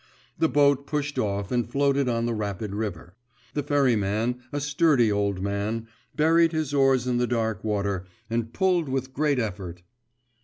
The boat pushed off and floated on the rapid river. The ferryman, a sturdy old man, buried his oars in the dark water, and pulled with great effort.